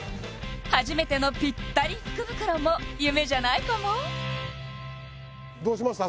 初めてのぴったり福袋も夢じゃないかもどうしました？